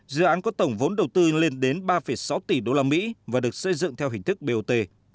dự án có tổng vốn đầu tư lên đến ba sáu tỷ usd và được xây dựng theo hình thức bot